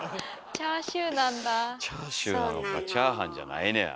チャーシューなのかチャーハンじゃないねや。